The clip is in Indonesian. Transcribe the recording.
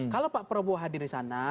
kalau pak prabowo hadir di sana